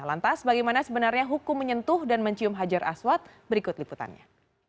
lantas bagaimana sebenarnya hukum menyentuh dan mencium hajar aswad berikut liputannya